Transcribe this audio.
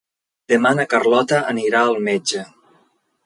Demà na Carlota anirà al metge.